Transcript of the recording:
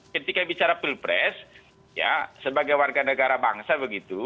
ketika bicara pilpres ya sebagai warga negara bangsa begitu